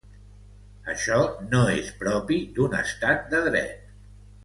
Això no és propi d’un estat de dret.